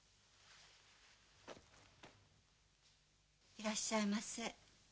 いらっしゃいませ。